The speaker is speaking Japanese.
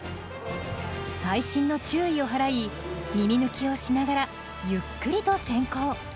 細心の注意を払い耳抜きをしながらゆっくりと潜行。